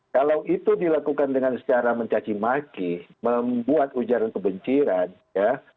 kalau itu dilakukan dengan secara mencacimaki membuat ujaran kebenciran ya